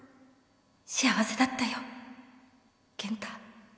幸せだったよ健太